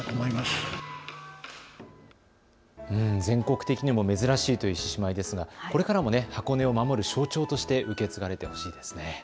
全国的にも珍しいという獅子舞ですがこれからも箱根を守る象徴として受け継がれてほしいですね。